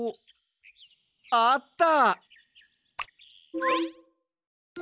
あった！